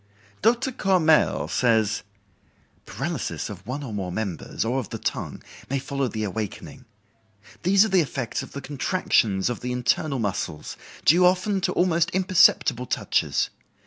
Dr. Courmelles says: "Paralysis of one or more members, or of the tongue, may follow the awakening. These are the effects of the contractions of the internal muscles, due often to almost imperceptible touches.